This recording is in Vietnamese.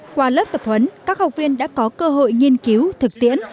qua lớp tập huấn các học viên đã có cơ hội nghiên cứu thực tiễn